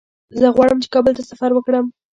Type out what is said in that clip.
زه غواړم چې کابل ته سفر وکړم.